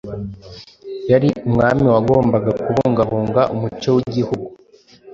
yari umwami wagombaga kubungabunga umuco w’igihugu